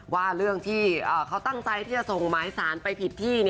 ว่าเรื่องที่เขาตั้งใจที่จะส่งหมายสารไปผิดที่